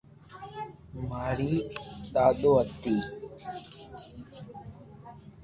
ماري دادو ھتي